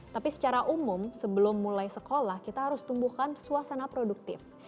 tapi secara umum sebelum mulai sekolah kita harus tumbuhkan suasana produktif